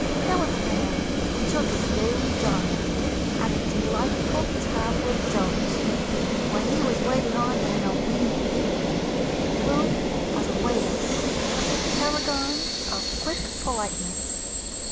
There was a man who took his daily dine At a delightful table d'hôte, where he Was waited on by an obedient youth, Who, as a waiter, was a paragon Of quick politeness.